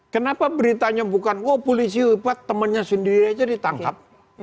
kenapa beritanya bukan oh polisi temannya sendiri aja ditangkap